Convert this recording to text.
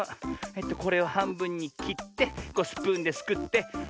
これをはんぶんにきってスプーンですくって。